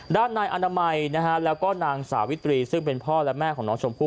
ด้านนายอนามัยนะฮะแล้วก็นางสาวิตรีซึ่งเป็นพ่อและแม่ของน้องชมพู่